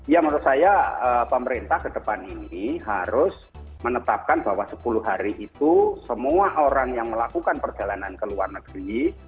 ya menurut saya pemerintah ke depan ini harus menetapkan bahwa sepuluh hari itu semua orang yang melakukan perjalanan ke luar negeri